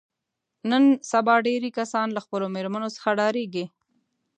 نن سبا ډېری کسان له خپلو مېرمنو څخه ډارېږي.